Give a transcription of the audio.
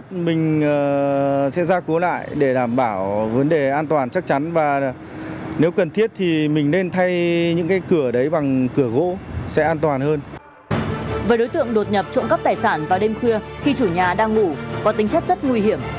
với đối tượng đột nhập trộm cắp tài sản vào đêm khuya khi chủ nhà đang ngủ có tính chất rất nguy hiểm